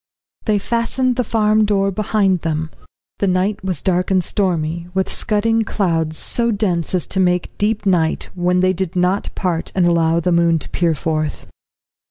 They fastened the farm door behind them. The night was dark and stormy, with scudding clouds, so dense as to make deep night, when they did not part and allow the moon to peer forth.